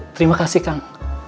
terima kasih kang